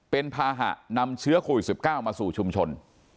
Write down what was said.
เป็นภาหะนำเชื้อโควิด๑๙มาสู่ชุมชน